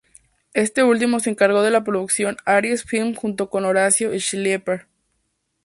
Este último se encargó de la producción Aries Film junto con Horacio Schlieper.